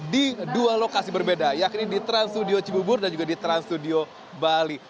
di dua lokasi berbeda yakni di trans studio cibubur dan juga di trans studio bali